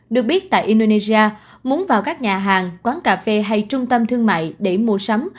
được biết tại indonesia muốn vào các nhà hàng quán cà phê hay trung tâm thương mại để mua sắm